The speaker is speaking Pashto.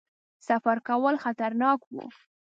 سفر کول خطرناک وو.